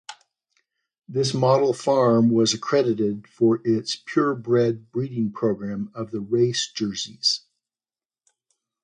This model farm was accredited for its purebred breeding program of the race Jerseys.